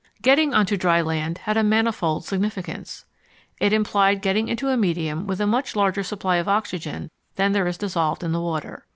Getting on to dry land had a manifold significance. It implied getting into a medium with a much larger supply of oxygen than there is dissolved in the water.